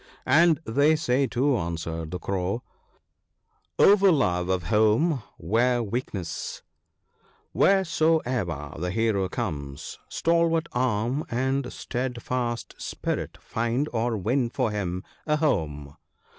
' And they say, too,' answered the Crow, " Over love of home were weakness; wheresoe'er the hero come, Stalwart arm and steadfast spirit find or win for him a home.